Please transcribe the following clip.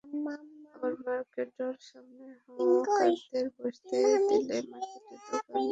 আবার মার্কেটর সামনে হকারদের বসতে দিলে মার্কেটের দোকান দেখা যায় না।